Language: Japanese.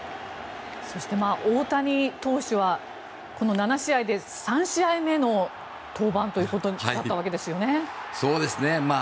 そして、大谷投手はこの７試合で３試合目の登板ということになったわけですよね。